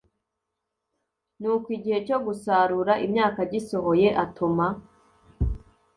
Nuko igihe cyo gusarura imyaka gisohoye atuma